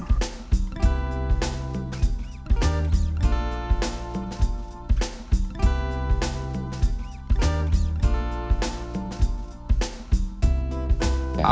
tidak ada yang bisa dipercaya